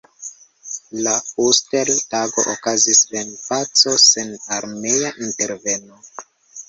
La Uster-Tago okazis en paco sen armea interveno.